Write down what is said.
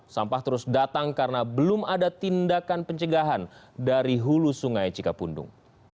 sampah terus datang karena belum ada tindakan pencegahan dari hulu sungai cikapundung